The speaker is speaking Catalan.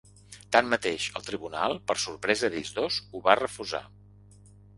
Tanmateix, el tribunal, per sorpresa d’ells dos, ho va refusar.